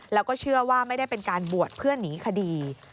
แล้วก็เชื่อว่าไม่ได้เป็นการบวชเพื่อหนีคดี